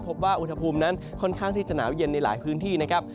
พบว่าอุณหภูมินั้นค่อนข้างที่จะหนาวเย็นในหลายพื้นที่นะครับ